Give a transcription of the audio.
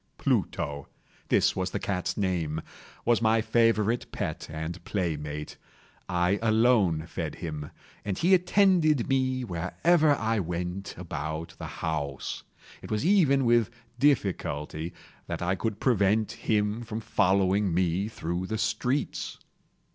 Pluto—this was the cat's name—was my favorite pet and playmate. I alone fed him, and he attended me wherever I went about the house. It was even with difficulty that I could prevent him from following me through the streets.